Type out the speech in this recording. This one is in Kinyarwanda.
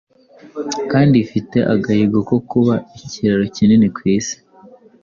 kandi ifite agahigo ko kuba ikiraro kinini ku is